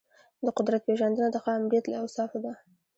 د قدرت پیژندنه د ښه آمریت له اوصافو ده.